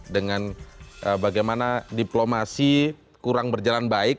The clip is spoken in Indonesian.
dengan bagaimana diplomasi kurang berjalan baik